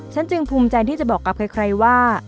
จึงภูมิใจที่จะบอกกับใครว่า